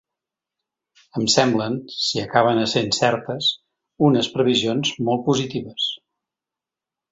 Em semblen –si acaben essent certes– unes previsions molt positives.